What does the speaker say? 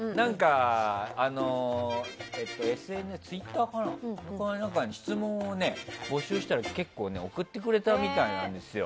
で、ツイッターか何かに質問を募集したら結構送ってくれたみたいなんです。